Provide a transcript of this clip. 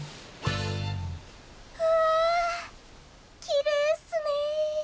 きれいっすね。